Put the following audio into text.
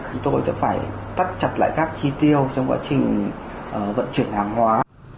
chúng tôi sẽ phải tắt chặt lại các chi tiêu trong quá trình vận chuyển hàng hóa